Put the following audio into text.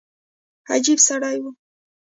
عجب سړى و.